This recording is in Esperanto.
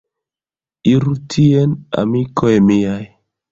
Iru tien amikoj miaj.